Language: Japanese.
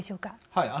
はい。